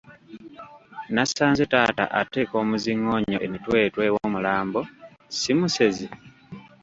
Nasanze taata ateeka omuzingoonyo emitwetwe w'omulambo, si musezi?